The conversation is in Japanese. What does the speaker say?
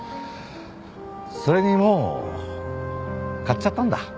それにもう買っちゃったんだ